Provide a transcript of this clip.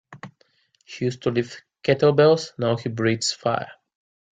He used to lift kettlebells now he breathes fire.